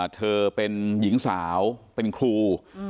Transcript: เธอเป็นหญิงสาวเป็นครู